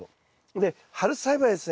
で春栽培はですね